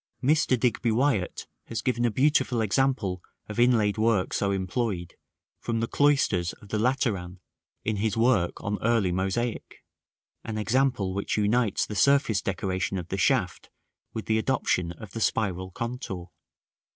Mr. Digby Wyatt has given a beautiful example of inlaid work so employed, from the cloisters of the Lateran, in his work on early mosaic; an example which unites the surface decoration of the shaft with the adoption of the spiral contour.